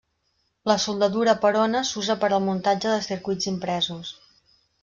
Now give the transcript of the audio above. La soldadura per ona s'usa per al muntatge de circuits impresos.